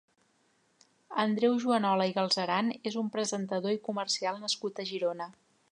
Andreu Juanola i Galceran és un presentador i comercial nascut a Girona.